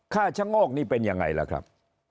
ชะโงกนี่เป็นยังไงล่ะครับ